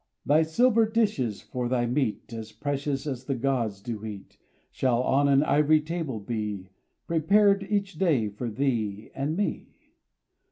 Thy silver dishes for thy meat As precious as the gods do eat, [621 RAINBOW GOLD Shall on an ivory table be Prepar d each day for thee and nie.